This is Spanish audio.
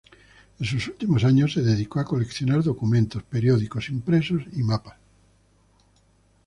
En sus últimos años se dedicó a coleccionar documentos, periódicos, impresos y mapas.